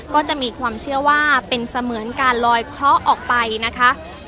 ก็จะมีความเชื่อว่าเป็นเสมือนการลอยเคราะห์ออกไปนะคะ